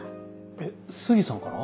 えっ杉さんから？